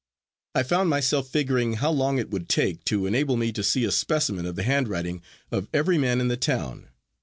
I found myself figuring how long it would take to enable me to see a specimen of the handwriting of every man in the town.